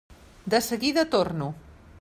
De seguida torno.